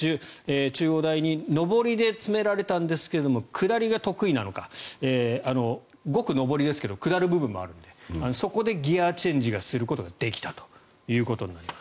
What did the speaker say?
中央大に上りで詰められたんですが下りが得意なのか５区、上りですけど下る部分もあるのでそこでギアチェンジをすることができたということになります。